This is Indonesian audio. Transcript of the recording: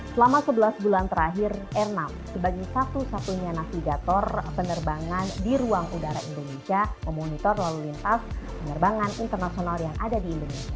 selama sebelas bulan terakhir airnav sebagai satu satunya navigator penerbangan di ruang udara indonesia memonitor lalu lintas penerbangan internasional yang ada di indonesia